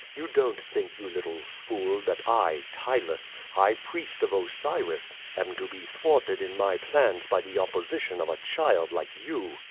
You don't think, you little fool, that I, Ptylus, high priest of Osiris, am to be thwarted in my plans by the opposition of a child like you."